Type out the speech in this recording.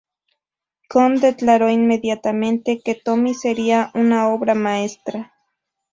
Cohn declaró inmediatamente que Tommy sería una obra maestra.